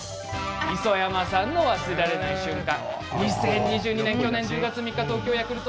磯山さんの忘れられない瞬間